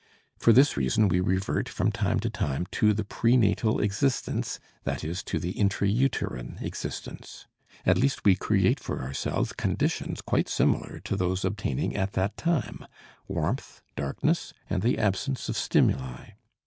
For this reason we revert from time to time to the pre natal existence, that is, to the intra uterine existence. At least we create for ourselves conditions quite similar to those obtaining at that time warmth, darkness and the absence of stimuli.